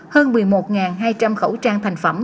hơn một mươi một hai trăm linh khẩu trang thành phẩm